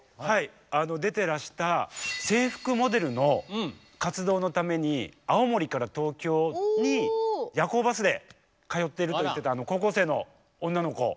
出てらした制服モデルの活動のために青森から東京に夜行バスで通っていると言ってた高校生の女の子。